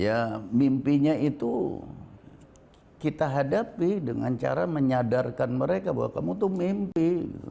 ya mimpinya itu kita hadapi dengan cara menyadarkan mereka bahwa kamu tuh mimpi